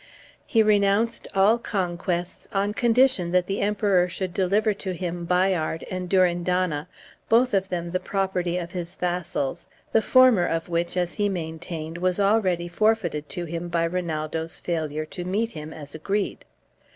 He renounced all conquests, on condition that the Emperor should deliver to him Bayard and Durindana, both of them the property of his vassals, the former of which, as he maintained, was already forfeited to him by Rinaldo's failure to meet him as agreed.